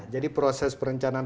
jadi proses perencanaan